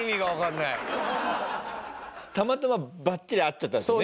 たまたまバッチリ合っちゃったんですよね？